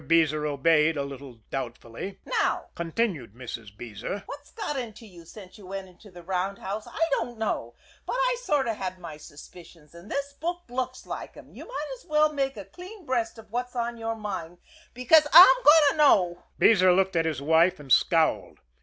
Beezer obeyed a little doubtfully. "Now," continued Mrs. Beezer, "what's got into you since you went into the roundhouse, I don't know; but I've sorter had suspicions, and this book looks like 'em. You might just as well make a clean breast of what's on your mind, because I'm going to know." Beezer looked at his wife and scowled.